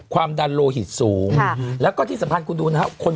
ความดันโลหิตสูงแล้วก็ที่สำคัญคุณดูนะครับ